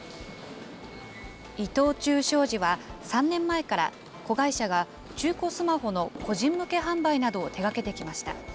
伊藤忠商事は３年前から、子会社が中古スマホの個人向け販売などを手がけてきました。